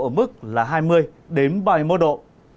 ở mức là hai mươi đến ba mươi một độ